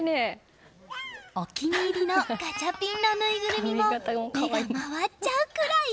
お気に入りのガチャピンのぬいぐるみは目が回っちゃうくらい！